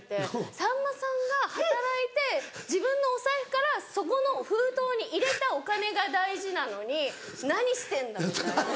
さんまさんが働いて自分のお財布からそこの封筒に入れたお金が大事なのに何してんだって言われて。